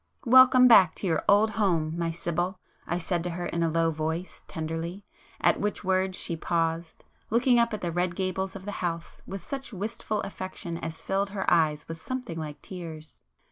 "Welcome back to your old home, my Sibyl!" I said to her in a low voice tenderly, at which words she paused, looking up at the red gables of the house with such wistful affection as filled her eyes with something like tears.